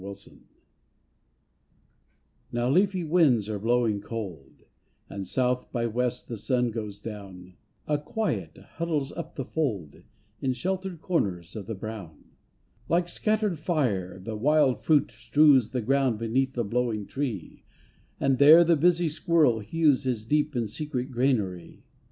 AUTUMN Now leafy winds are blowing cold, And South by West the sun goes down, A quiet huddles up the fold In sheltered corners of the brown. Like scattered fire the wild fruit strews The ground beneath the blowing tree, And there the busy squirrel hews His deep and secret granary.